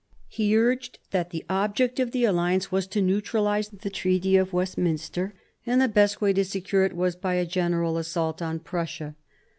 He urged that the object of the alliance was to neutralise the Treaty of Westminster, and the best way to secure it was 1>y a general assault on Prussia.